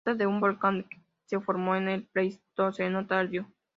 Se trata de un volcán se formó en el Pleistoceno tardío.